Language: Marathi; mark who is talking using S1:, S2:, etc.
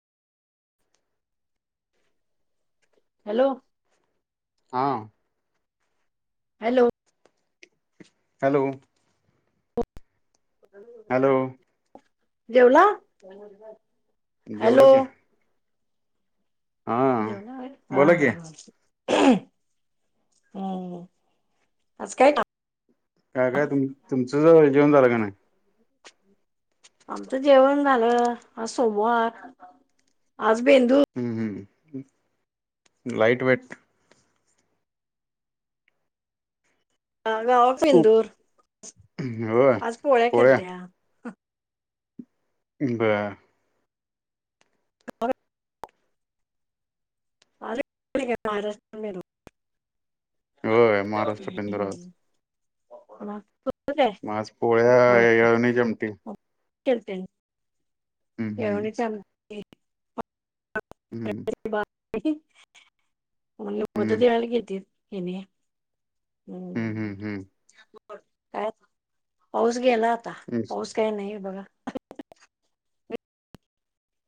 S1: हॅलो!
S2: हां.
S1: हॅलो!
S2: हॅलो! हॅलो
S1: जेवला? हॅलो
S2: जेवलो की. हा
S1: जेवला होय, हा
S2: बोला की
S1: हा हा. आज काय?
S2: काय गं तुम तुमचं सगळं जेवण झालं का नाही?
S1: आमचं जेवण झालं सोमवार. आज बेंदू
S2: हम्म हम्म लाईट वेट.
S1: गाव
S2: खूप
S1: पेंदूर
S2: होय
S1: आज पोळ्या केलत्या.
S2: हम्म ब
S1: [unintelligible]
S2: होय महाराष्ट्र पेंदुर आज.
S1: मग
S2: माझ पोळ्या ये नाही जमती.
S1: केलते
S2: हम्म
S1: [unintelligible]
S2: हम्म
S1: नी चालते.
S2: हम्म.
S1: [unintelligible] द्यायला गेलती हेने. हम्म काय पाऊस गेला आता पाऊस काही नाही बघा.